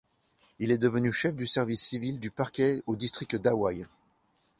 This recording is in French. Il est devenu chef du service civil du Parquet au district d'Hawaï.